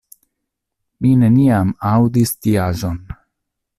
Mi neniam aŭdis tiaĵon.